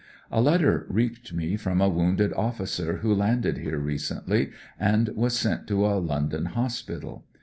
A letter reached me from a wounded officer who landed here recently, and was sent to a London hospital.